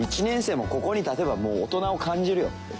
１年生もここに立てばもう大人を感じるよ。